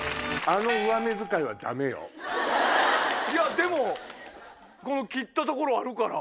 でもこの切った所あるから。